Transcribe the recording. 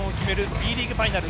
Ｂリーグファイナル。